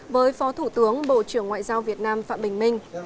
với phó thủ tướng bộ trưởng ngoại giao việt nam phạm bình minh